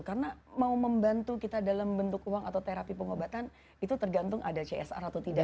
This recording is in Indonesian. karena mau membantu kita dalam bentuk uang atau terapi pengobatan itu tergantung ada csr atau tidak